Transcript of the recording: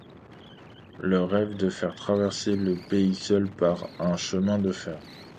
Il rêve de faire traverser le pays peul par un chemin de fer.